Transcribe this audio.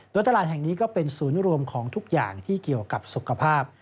โดยตลาดแห่งนี้ก็เป็นศูนย์รวมของทุกอย่างที่เกี่ยวกับสุขภาพ